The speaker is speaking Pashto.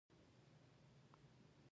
خو مور به شاباسي راکوله.